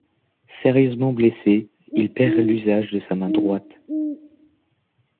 Sérieusement blessé, il perd l'usage de sa main droite.